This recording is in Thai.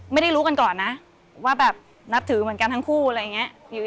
ไม่ได้รู้กันก่อนนะว่าแบบนับถือเหมือนกันทั้งคู่อะไรอย่างนี้